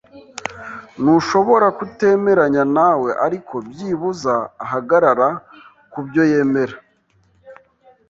Ntushobora kutemeranya nawe, ariko byibuze ahagarara kubyo yemera.